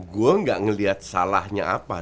gue gak ngeliat salahnya apa